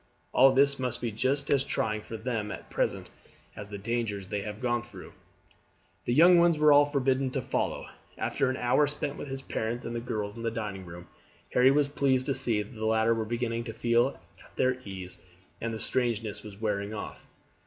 All this must be just as trying for them at present as the dangers they have gone through." The young ones were all forbidden to follow, and after an hour spent with his parents and the girls in the dining room, Harry was pleased to see that the latter were beginning to feel at their ease, and that the strangeness was wearing off.